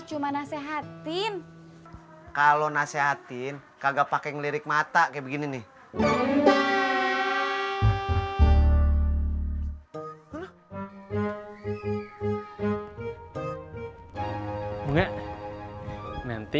cuma nasehatin kalau nasehatin kagak pakai ngelirik mata kayak begini nih nanti